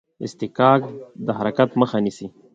اصطکاک د حرکت مخه نیسي.